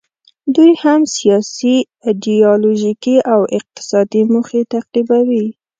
دوی هم سیاسي، ایډیالوژیکي او اقتصادي موخې تعقیبوي.